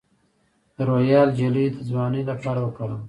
د رویال جیلی د ځوانۍ لپاره وکاروئ